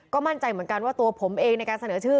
ก็มั่นใจเหมือนกันว่าตัวผมเองในการเสนอชื่อ